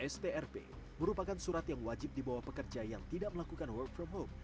strp merupakan surat yang wajib dibawa pekerja yang tidak melakukan work from home